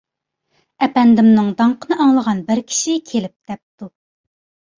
ئەپەندىمنىڭ داڭقىنى ئاڭلىغان بىر كىشى كېلىپ دەپتۇ.